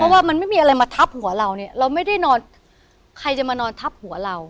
ว่ามันไม่มีอะไรมาทับหัวเราเนี่ยเราไม่ได้นอนใครจะมานอนทับหัวเรา